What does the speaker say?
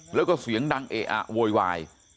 แล้วก็เสียงดังเอะอะโวยวาย